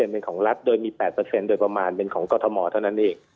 เป็นของรัฐโดยมี๘โดยประมาณเป็นของกรทมเท่านั้นเอง